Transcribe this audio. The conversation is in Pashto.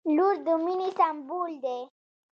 • لور د مینې سمبول دی.